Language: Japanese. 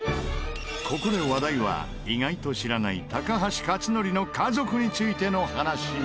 ここで話題は意外と知らない高橋克典の家族についての話に。